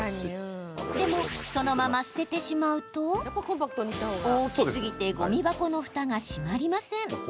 でも、そのまま捨ててしまうと大きすぎてごみ箱のふたが閉まりません。